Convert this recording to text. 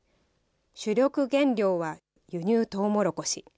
主力原料は輸入トウモロコシ。